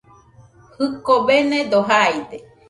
Jɨko benedo jaide